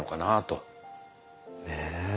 ねえ。